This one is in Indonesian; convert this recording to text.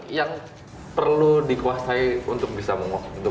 itu yang perlu dikuasai untuk bisa memuat